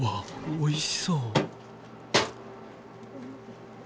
おいしそう。